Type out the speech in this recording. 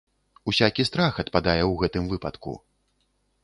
Усякі страх адпадае ў гэтым выпадку.